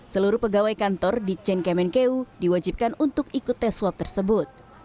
seluruh pegawai kantor di cengkemenku diwajibkan untuk ikut tes swab tersebut